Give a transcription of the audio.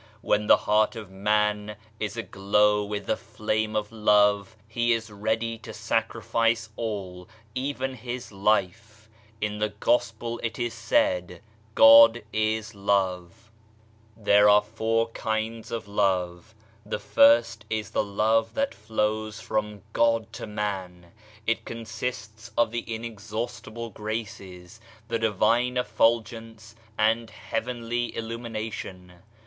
When the heart of man is aglow with the flame of love, he is ready to sacrifice all even his life. In the Gospel it is said God is Love. 168 THE FOUR KINDS OF LOVE There are four kinds of love. The first is the love that flows from God to man ; it consists of the inexhaustible graces, the Divine effulgence and heavenly illumination.